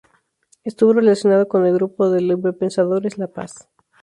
Estuvo relacionado con el grupo de librepensadores La Paz.